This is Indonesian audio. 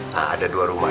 nah ada dua rumah